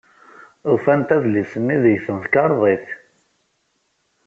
Ufant adlis-nni deg temkarḍit.